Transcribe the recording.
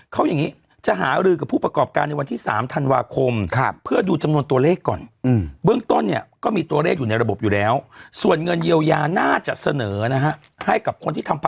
เสนอนะฮะให้กับคนที่ทำผับบาคาราโอเกะเนี้ยอืมห้าพันบาทอ่า